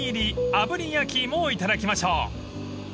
炙り焼いもをいただきましょう］